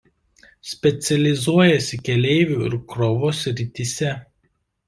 Specializuojasi keleivių ir krovos srityse.